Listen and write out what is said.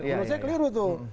menurut saya keliru itu